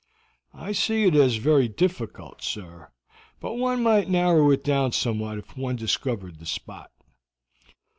"I see it is very difficult, sir, but one might narrow it down somewhat if one discovered the spot.